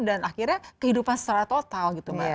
dan akhirnya kehidupan secara total